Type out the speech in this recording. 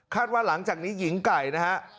ว่าหลังจากนี้หญิงไก่นะฮะ